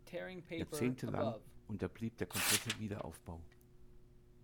Jahrzehntelang unterblieb der komplette Wiederaufbau.